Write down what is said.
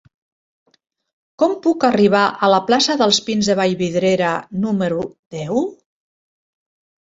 Com puc arribar a la plaça dels Pins de Vallvidrera número deu?